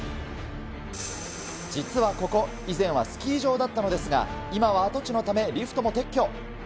実はここ、以前はスキー場だったのですが、今は跡地のため、リフトも撤去。